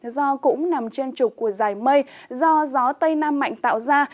do cũng nằm trên trục của giải mây do gió tây nam mạnh tạo ra